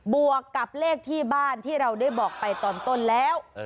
บวกกับเลขที่บ้านที่เราได้บอกไปตอนต้นแล้ว